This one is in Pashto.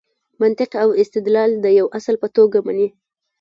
منطق او استدلال د یوه اصل په توګه مني.